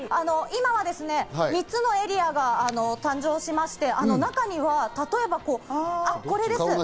今は３つのエリアが誕生しまして、中には例えば、これです。